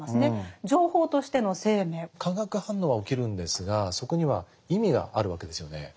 化学反応は起きるんですがそこには意味があるわけですよね。